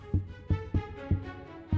ya udah tante aku tunggu di situ ya